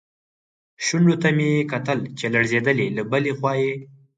شونډو ته مې یې کتل چې لړزېدلې، له بلې خوا یې.